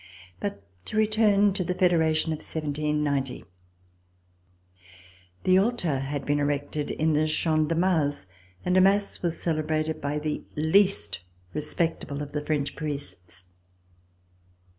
But to return to the Federation of 1790. The altar had been erected in the Champ de Mars, and a mass was celebrated by the least respectable of the French priests.